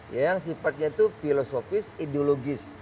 ya yang sifatnya itu filosofis ideologis